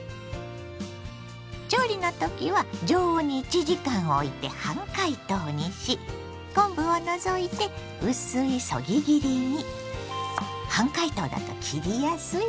調理の時は常温に１時間おいて半解凍にし昆布を除いて薄いそぎ切りに。